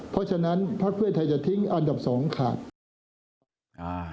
เพราะฉะนั้นพักเพื่อไทยจะทิ้งอันดับสองขาด